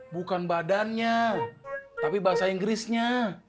bukan badannya tapi bahasa inggrisnya